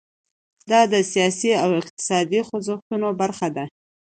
دا د سیاسي او اقتصادي خوځښتونو برخه ده.